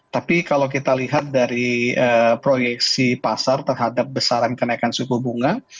tapi kalau kita lihat dari proyeksi pasar terhadap besaran kenaikan suku bunga